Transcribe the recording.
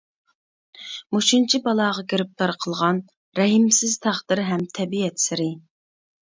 مۇشۇنچە بالاغا گىرىپتار قىلغان، رەھىمسىز تەقدىر ھەم تەبىئەت سىرى.